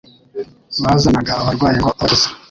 bazanaga abarwayi ngo abakize,